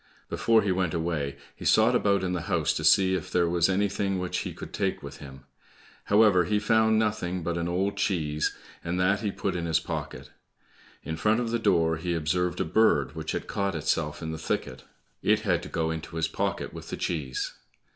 Before he went away, he sought about in the house to see if there was anything which he could take with him; however, he found nothing but an old cheese, and that he put in his pocket. In front of the door he observed a bird which had caught itself in the thicket. It had to go into his pocket with the cheese.